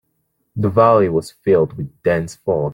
The valley was filled with dense fog.